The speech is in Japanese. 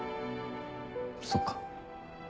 そっか。